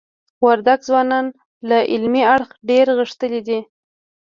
وردګ ځوانان له علمی اړخ دير غښتلي دي.